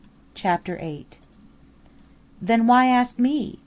CHAPTER EIGHT "Then why ask me?"